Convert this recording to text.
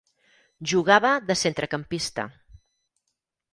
Jugava de centrecampista.